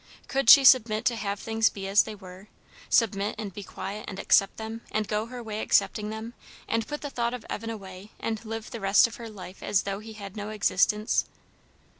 Could she submit to have things be as they were? submit, and be quiet, and accept them, and go her way accepting them, and put the thought of Evan away, and live the rest of her life as though he had no existence?